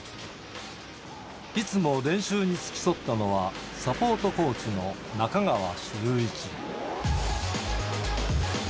いつも練習に付き添ったのは、サポートコーチの中川修一。